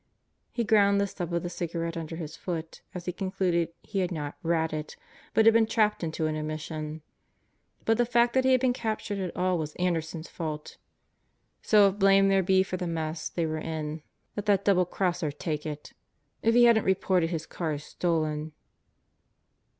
He ground the stub of the cigarette under his foot as he concluded he had not "ratted," but had been trapped into an admission. But the fact that he had been captured at all was Anderson's fault. So if blame there be for the mess they were in, let that double crosser take it! If he hadn't reported his car as stolen